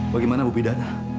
bagaimana bu bidan